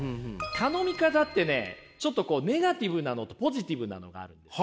頼み方ってねちょっとこうネガティブなのとポジティブなのがあるんです。